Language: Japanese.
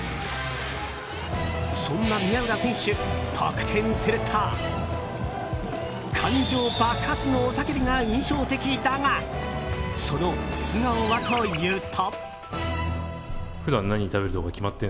そんな宮浦選手、得点すると感情爆発の雄たけびが印象的だがその素顔はというと。